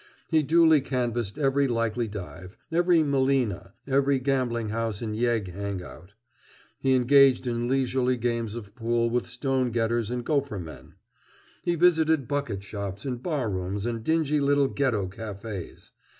He duly canvassed every likely dive, every "melina," every gambling house and yegg hang out. He engaged in leisurely games of pool with stone getters and gopher men. He visited bucket shops and barrooms, and dingy little Ghetto cafés.